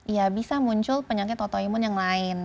iya bisa muncul penyakit otoimun yang lain